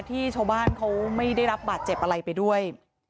ที่ชาวบ้านเขาไม่ได้รับบาดเจ็บอะไรไปด้วย